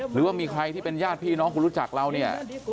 หรือว่ามีใครที่เป็นญาติพี่น้องคุณรู้จักเราเนี่ย